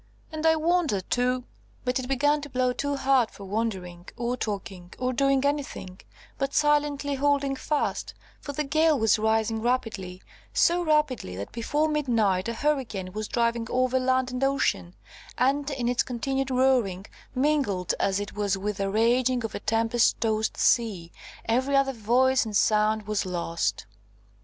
And I wonder, too–" But it began to blow too hard for wondering, or talking, or doing anything, but silently holding fast, for the gale was rising rapidly; so rapidly, that before midnight a hurricane was driving over land and ocean, and in its continued roaring, mingled as it was with the raging of a tempest tossed sea, every other voice and sound was lost.